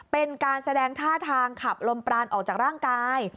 เป็นการแสดงท่าทางขับลมปรานออกจากร่างกาย